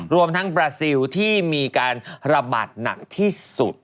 รวมทั้งบราซิลที่มีการระบาดหนักที่สุด